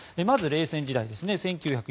まず、冷戦時代ですね。